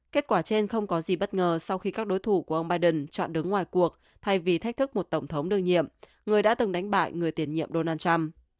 kết quả trên không có gì bất ngờ sau khi các đối thủ của ông biden chọn đứng ngoài cuộc thay vì thách thức một tổng thống đương nhiệm người đã từng đánh bại người tiền nhiệm donald trump